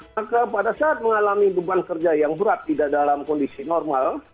maka pada saat mengalami beban kerja yang berat tidak dalam kondisi normal